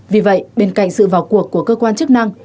vì vậy bên cạnh sự vào cuộc của cơ quan chức năng